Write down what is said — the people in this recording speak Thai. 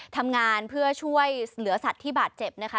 ทำงานเพื่อช่วยเหลือสัตว์ที่บาดเจ็บนะคะ